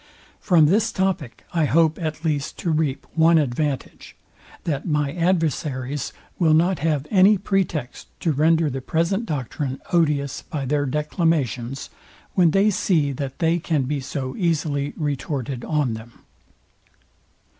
From this topic, I hope at least to reap one advantage, that my adversaries will not have any pretext to render the present doctrine odious by their declamations, when they see that they can be so easily retorted on them.